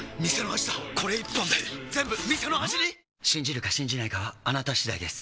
信じるか信じないかはあなた次第です